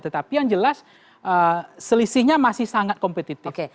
tetapi yang jelas selisihnya masih sangat kompetitif